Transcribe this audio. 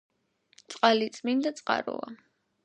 წყალი წმინდა წყაროა